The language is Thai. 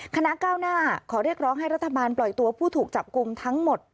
คณะก้าวหน้าขอเรียกร้องให้รัฐบาลปล่อยตัวผู้ถูกจับกลุ่มทั้งหมด